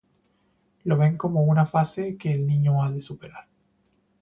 Lo ven como una fase que el niño ha de superar.